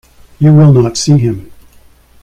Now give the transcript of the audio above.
You will not see him.